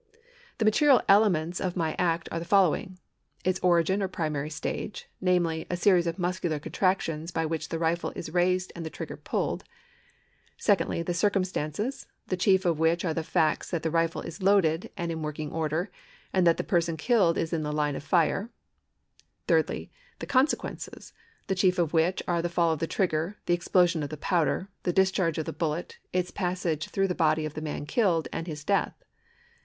The material elements of my act are the following : its origin or primary stage, namely a series of muscular contractions, by which the rifle is raised and the trigger pulled ; secondly, the circumstances, the chief of which are the facts that the rifle is loaded and in working order, and that the person killed is in the line of fire ; thirdly, the consequences, the chief of which are the fall of the trigger, the explosion of the powder, the discharge of the bullet, its passage through the body of the man killed, and his death.